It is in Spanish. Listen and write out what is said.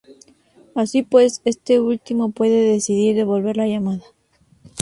Así pues, este último puede decidir devolverle la llamada.